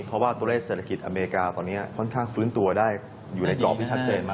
เพราะว่าตัวเลขเศรษฐกิจอเมริกาตอนนี้ค่อนข้างฟื้นตัวได้อยู่ในกรอบที่ชัดเจนมาก